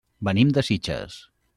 Venim de Sitges.